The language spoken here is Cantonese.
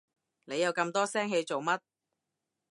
你又咁多聲氣做乜？